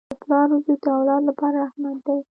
د پلار وجود د اولاد لپاره رحمت دی.